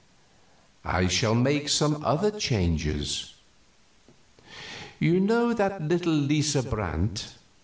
"I shall make some other changes. You know that little Lisa Brandt?"